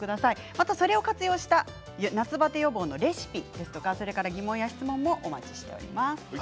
またそれを活用した夏バテ予防のレシピですとか疑問や質問もお待ちしています。